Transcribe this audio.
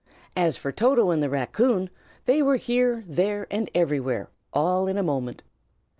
As for Toto and the raccoon, they were here, there, and everywhere, all in a moment.